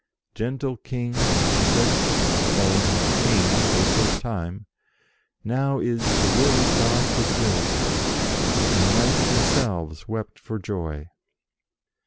"Gentle King," she said, calling him "King" for the first time, "now is the will of God fulfilled!" and the knights themselves wept for joy.